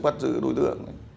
bắt giữ đối tượng